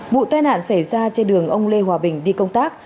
vụ tai nạn xảy ra trên đường ông lê hòa bình đi công tác